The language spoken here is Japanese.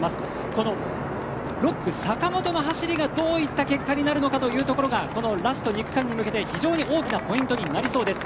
この６区、坂本の走りがどういった結果になるかというところがこのラスト２区間に向けて非常に大きなポイントになりそうです。